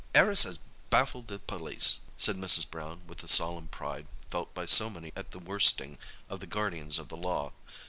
"'Arris 'as baffled the police," said Mrs. Brown, with the solemn pride felt by so many at the worsting of the guardians of the law.